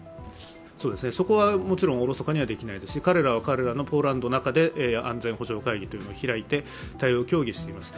そこはもちろんおろそかにできないですし、ポーランドはポーランドの中で安全保障会議を開いて対応を協議しています。